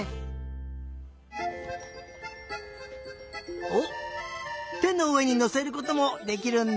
てのうえにのせることもできるんだ！